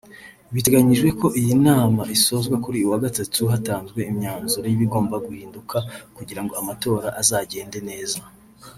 Biteganyijwe ko iyi nama isozwa kuri uyu wa gatatu hatanzwe imyanzuro y’ibigomba guhinduka kugirango amatora azagende neza